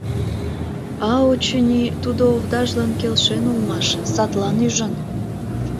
А, очыни, тудо овдажлан келшен улмаш, садлан ӱжын.